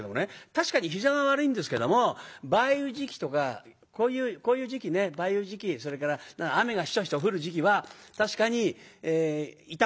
確かに膝が悪いんですけども梅雨時期とかこういう時期ね梅雨時期それから雨がシトシト降る時期は確かに痛むそうです。